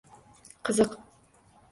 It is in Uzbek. Qiziq.